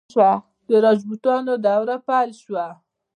د راجپوتانو دوره پیل شوه.